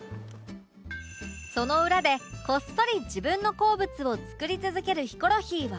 その裏でこっそり自分の好物を作り続けるヒコロヒーは